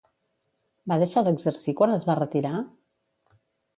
Va deixar d'exercir quan es va retirar?